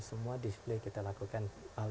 semua display kita lakukan